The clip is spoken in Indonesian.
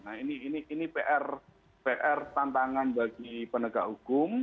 nah ini pr tantangan bagi penegak hukum